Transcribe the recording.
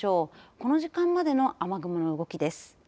この時間までの雨雲の動きです。